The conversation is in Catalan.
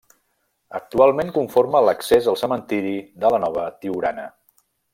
Actualment conforma l'accés al cementiri de la nova Tiurana.